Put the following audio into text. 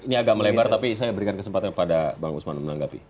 ini agak melebar tapi saya berikan kesempatan kepada bang usman menanggapi